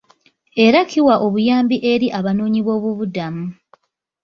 Era kiwa obuyambi eri abanoonyiboobubudamu.